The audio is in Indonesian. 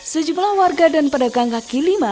sejumlah warga dan pedagang kaki lima